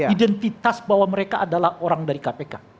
identitas bahwa mereka adalah orang dari kpk